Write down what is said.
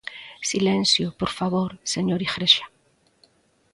Silencio, por favor, señor Igrexa.